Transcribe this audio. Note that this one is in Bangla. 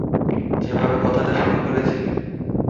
যেভাবে কথাটা শুরু করেছিলি!